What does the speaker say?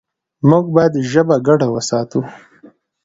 موږ باید ژبه ګډه وساتو.